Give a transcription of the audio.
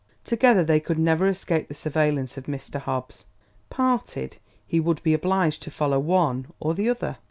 Together they could never escape the surveillance of Mr. Hobbs; parted, he would be obliged to follow one or the other.